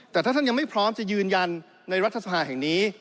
แต่ถ้าท่านยังไม่พร้อมจะยืนยันในรัฐสภาแห่งนี้